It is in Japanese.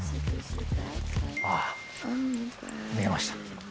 あっ見えました。